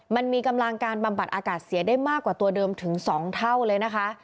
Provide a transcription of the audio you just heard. มันมีกำลังการบำบัดอากาศเสียได้มากกว่าตัวเดิมถึง๒เท่าเลยนะคะ